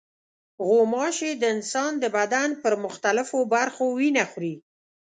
غوماشې د انسان د بدن پر مختلفو برخو وینه خوري.